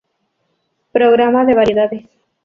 Programa de variedades".